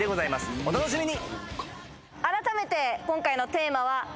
お楽しみに。